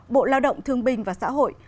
bộ lao động thương binh và xã hội